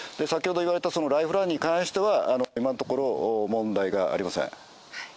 先ほど言われたライフラインに関しては今のところ問題はありません。